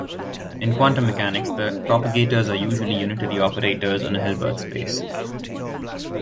In quantum mechanics, the propagators are usually unitary operators on a Hilbert space.